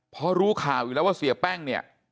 พอรู้ข่าวอยู่แล้วว่าเสียแป้งเนี่ย